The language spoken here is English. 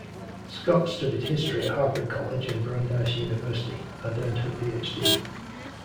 Scott studied history at Harvard College and Brandeis University, and earned her PhD.